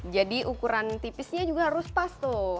jadi ukuran tipisnya juga harus pas tuh